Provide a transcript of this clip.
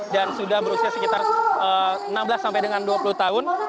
dan sudah berusia sekitar enam belas sampai dengan dua puluh tahun